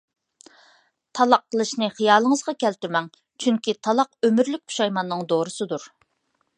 تالاق قىلىشنى خىيالىڭىزغا كەلتۈرمەڭ! چۈنكى، تالاق ئۆمۈرلۈك پۇشايماننىڭ دورىسىدۇر.